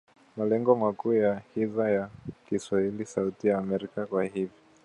Malengo makuu ya Idhaa ya kiswahili ya Sauti ya Amerika kwa hivi